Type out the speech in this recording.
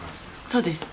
そうです！